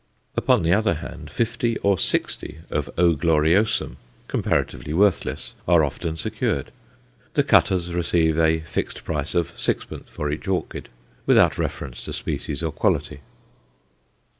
Upon the other hand, fifty or sixty of O. gloriosum, comparatively worthless, are often secured. The cutters receive a fixed price of sixpence for each orchid, without reference to species or quality.